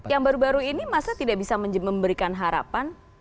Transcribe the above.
yang baru baru ini masa tidak bisa memberikan harapan